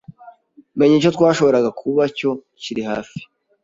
menya icyo twashoboraga kuba cyo kirihafi